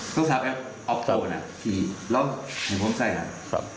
โทรศัพท์แอปออฟโตน่ะขี่แล้วเห็นผมใส่หัน